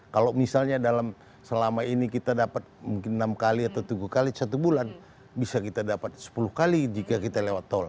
kalau misalnya dalam selama ini kita dapat mungkin enam kali atau tujuh kali satu bulan bisa kita dapat sepuluh kali jika kita lewat tol